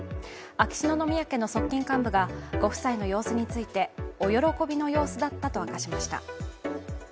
秋篠宮家の側近幹部がご夫妻の様子についてお喜びの様子だったと明らかにしました。